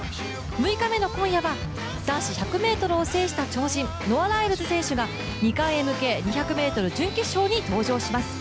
６日目の今夜は男子１００ｍを制した超人、ノア・ライルズ選手が２冠へ向け、２００ｍ準決勝に登場します。